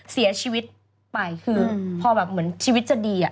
เสียชีวิตไปคือพอแบบเหมือนชีวิตจะดีอะ